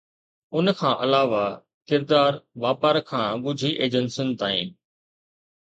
ان کان علاوه، ڪردار واپار کان ڳجهي ايجنسين تائين